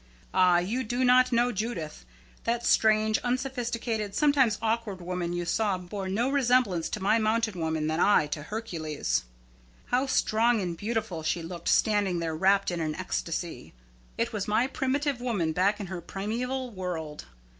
Ah, you do not know Judith! That strange, unsophisticated, sometimes awkward woman you saw bore no more resemblance to my mountain woman than I to Hercules. How strong and beautiful she looked standing there wrapped in an ecstasy! It was my primitive woman back in her primeval world.